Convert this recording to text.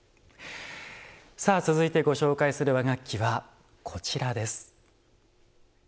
さあ続いてご紹介する和楽器はこちらです。